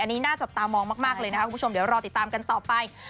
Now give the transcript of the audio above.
อันนี้น่าจับตามองมากเลยนะครับคุณผู้ชมเดี๋ยวรอติดตามกันต่อไป